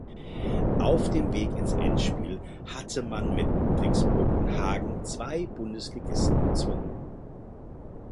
Auf dem Weg ins Endspiel hatte man mit Ludwigsburg und Hagen zwei Bundesligisten bezwungen.